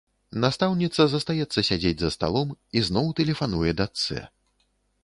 Настаўніца застаецца сядзець за сталом і зноў тэлефануе дачцэ.